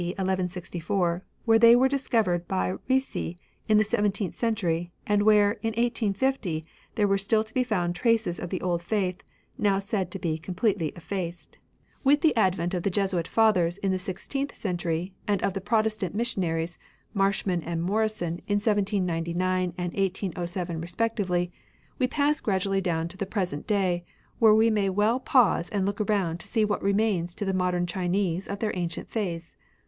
1164, where they were discovered by Ricci in the seventeenth century, and where, in 1850, there were still to be found traces of the old faith, now said to be completely effaced. 67 RELIGIONS OF ANCIENT CHINA With the advent of the Jesuit ^^ Fathers in the sixteenth centuiy, and of the Protestant missionaries, Marsh man and Morrison, in 1799 and 1807 respec tively, we pass gradually down to the present day, where we may well pause and look around to see what remains to the modem Chinese of their ancient faiths.